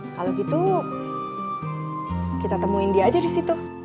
kalau gitu kita temuin dia aja di situ